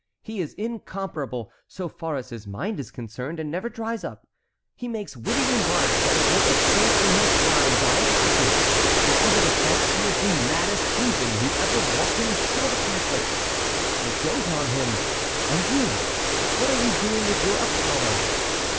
He is incomparable, so far as his mind is concerned, and never dries up. He makes witty remarks that would make a saint in her shrine die of laughing. In other respects he is the maddest heathen who ever walked in the skin of a Catholic! I dote on him! And you, what are you doing with your Apollo?"